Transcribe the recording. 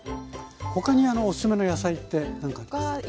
他におすすめの野菜って何かありますか？